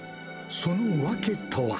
その訳とは。